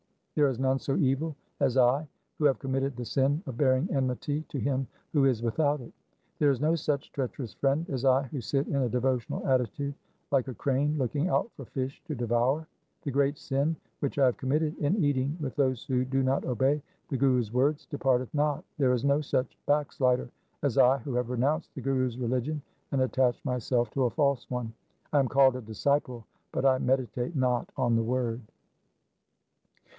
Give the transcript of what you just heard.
There is none so evil as I who have committed the sin of bearing enmity to him who is without it. There is no such treacherous friend as I who sit in a devotional attitude like a crane looking out for fish to devour. The great sin which I have committed in eating with those who do not obey the Guru's words departeth not. There is no such backslider as I who have renounced the Guru's religion and attached myself to a false one. I am called a disciple, but I meditate not on the Word.